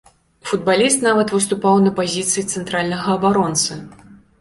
Футбаліст нават выступаў на пазіцыі цэнтральнага абаронцы.